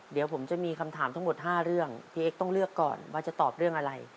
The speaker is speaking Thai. เดี๋ยวผมจะมีคำถามทั้งหมด๕เรื่องพี่เอ็กซ์ต้องเลือกก่อนว่าจะตอบเรื่องอะไร